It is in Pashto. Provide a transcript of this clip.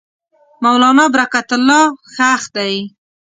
مولنا برکت الله ښخ دی.